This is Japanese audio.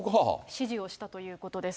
指示をしたということです。